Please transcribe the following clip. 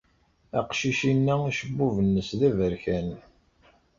Aqcic-inna acebbub-nnes d aberkan.